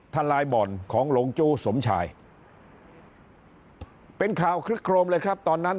ทลายบ่อนของหลงจู้สมชายเป็นข่าวคลึกโครมเลยครับตอนนั้น